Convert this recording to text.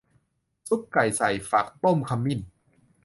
ซุปไก่ใส่ฟักต้มขมิ้น